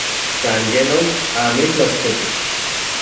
San ye non, amitlaj okse-ki.